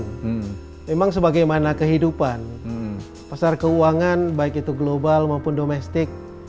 memang sebagaimana kehidupan pasar keuangan baik itu global maupun domestik